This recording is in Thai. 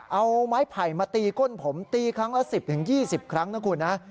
เอาไม้ไผ่มาตีก้นผมตีครั้งละ๑๐๒๐ครั้งนะคุณนะ